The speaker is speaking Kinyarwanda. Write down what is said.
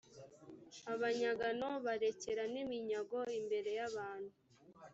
abanyagano barekera n iminyago imbere y abantu